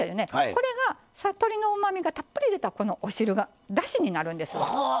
これが鶏のうまみがたっぷり出たお汁がだしになるんです。